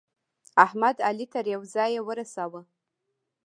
احمد؛ علي تر يوه ځايه ورساوو.